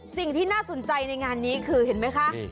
สิ่งที่น่าสนใจในงานนี้คือเห็นไหมคะ